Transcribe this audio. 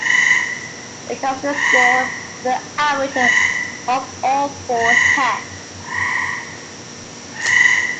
The composite score is the average of all four tests.